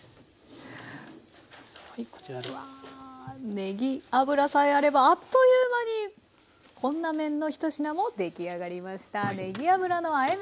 ねぎ油さえあればあっという間にこんな麺の１品も出来上がりました。